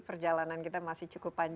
perjalanan kita masih cukup panjang